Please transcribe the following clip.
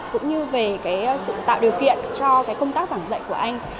cũng như về sự tạo điều kiện cho công tác giảng dạy của anh